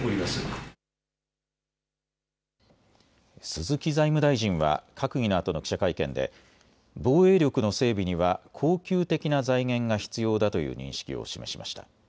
鈴木財務大臣は閣議のあとの記者会見で防衛力の整備には恒久的な財源が必要だという認識を示しました。